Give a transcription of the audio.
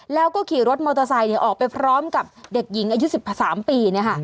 แล้วก็ขี่รถมอเตอร์ไซค์ออกไปพร้อมกับเด็กหญิงอายุ๑๓ปี